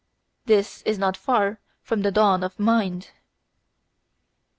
This is not far from the dawn of mind.